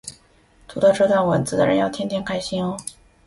读到这段文字的人要天天开心哦